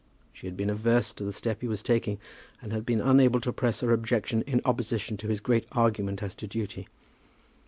She had been averse to the step he was taking, but had been unable to press her objection in opposition to his great argument as to duty.